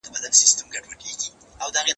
هغه وويل چي مينه ښکاره کول ضروري دي